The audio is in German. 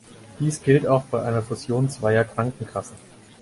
Dies gilt auch bei einer Fusion zweier Krankenkassen.